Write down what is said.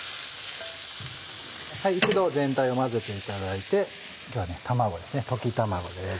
一度全体を混ぜていただいて今日は卵ですね溶き卵です。